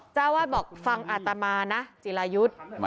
เจ้าวาดบอกฟังอาตมานะจิรายุทธ์